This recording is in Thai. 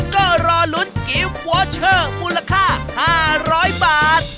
ก็รอลุ้นกิฟต์วอเชอร์มูลค่า๕๐๐บาท